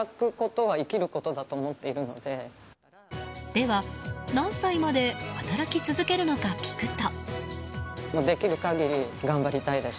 では、何歳まで働き続けるのか聞くと。